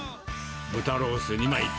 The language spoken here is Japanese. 豚ロース２枚と、